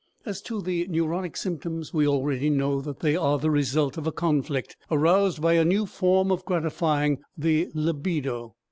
As to the neurotic symptoms, we already know that they are the result of a conflict aroused by a new form of gratifying the libido.